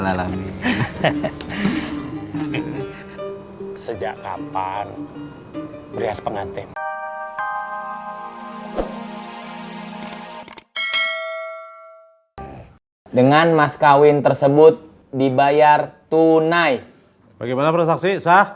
lalami sejak kapan beres pengantin dengan mas kawin tersebut dibayar tunai bagaimana persaksi